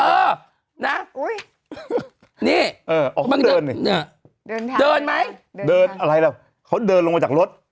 เออนะนี่เดินไหมเดินอะไรแล้วเขาเดินลงมาจากรถ